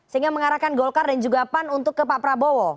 sehingga mengarahkan golkar dan juga pan untuk ke pak prabowo